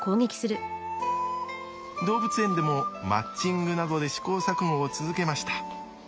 動物園でもマッチングなどで試行錯誤を続けました。